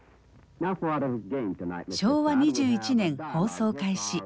昭和２１年放送開始。